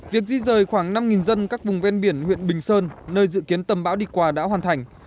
việc di rời khoảng năm dân các vùng ven biển huyện bình sơn nơi dự kiến tầm bão địch quà đã hoàn thành